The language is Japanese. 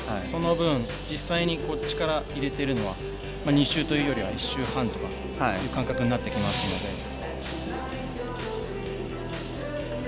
その分実際に力を入れているのは２周というよりは１周半とかいう感覚になってきますので。